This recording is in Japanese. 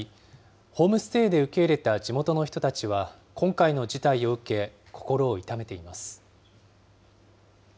ホームステイで受け入れた地元の人たちは、今回の事態を受け、心を痛めています。